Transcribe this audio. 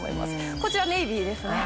こちらネイビーですね。